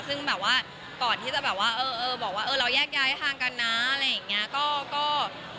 ซึ่งแบบว่าก่อนที่จะแบบว่าเออบอกว่าเออเราแยกย้ายทางกันนะอะไรอย่างนี้